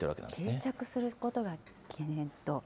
定着することが懸念と。